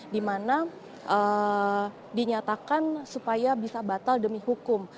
di mana dinyatakan supaya bisa batal demi hukum